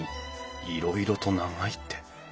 いろいろと長いって。